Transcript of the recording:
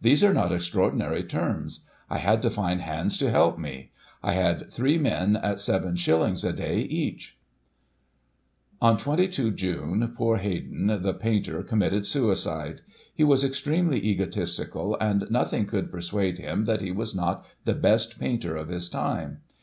These are not extra ordinary terms. I had to find hands to help me. I had three men at 7s. a day each." On 22 Jime poor. Haydon, the painter, committed suicide. He was extremely egotistical, and nothing could persuade him that he was not the best painter of his time.